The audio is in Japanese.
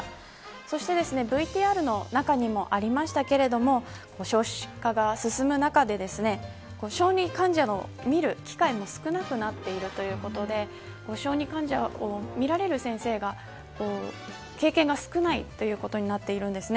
そしてＶＴＲの中にもありましたけれども少子化が進む中で小児患者を診る機会も少なくなっているということで小児患者を見られる先生が経験が少ないということになっているんですね。